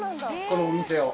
このお店を。